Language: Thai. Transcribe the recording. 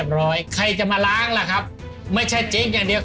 มีมากก็จ่ายมาก